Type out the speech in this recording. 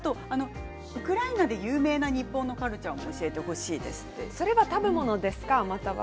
ウクライナで有名な日本のカルチャーを教えてほしいということです。